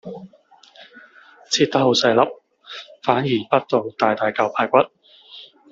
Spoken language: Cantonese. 切得好細粒，反而潷到大大嚿排骨